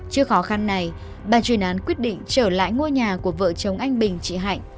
trước khó khăn này bà chuyên án quyết định trở lại ngôi nhà của vợ chồng anh bình chị hạnh